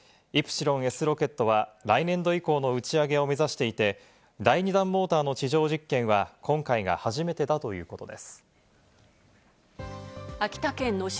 イプシロンＳロケットは来年度以降の打ち上げを目指していて、２段モーターの地上実験は今回が初めてということです。